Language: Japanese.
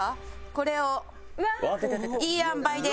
これをいいあんばいで。